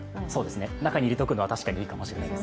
中に入れておくのは確かにいいかもしれません。